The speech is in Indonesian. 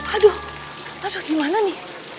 aduh aduh gimana nih